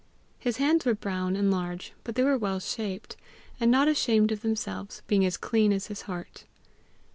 His hands were brown and large, but they were well shaped, and not ashamed of themselves, being as clean as his heart.